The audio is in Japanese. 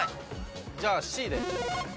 じゃあＣで。